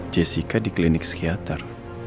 jessica di klinik psikiater